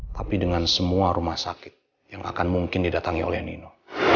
tapi dengan semua rumah sakit yang akan mungkin didatangi oleh nino